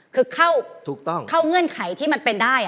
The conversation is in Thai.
คือเข้าเงื่อนไขที่มันเป็นได้